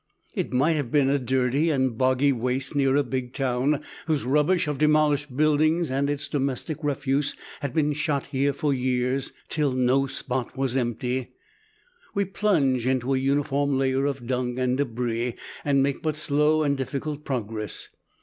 It might have been a dirty and boggy waste near a big town, whose rubbish of demolished buildings and its domestic refuse had been shot here for years, till no spot was empty. We plunge into a uniform layer of dung and debris, and make but slow and difficult progress.